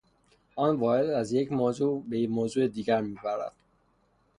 آن واعظ از یک موضوع به موضوع دیگر میپرد.